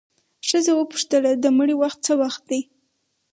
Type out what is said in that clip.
ښځه وپوښتله د مړي وخت څه وخت دی؟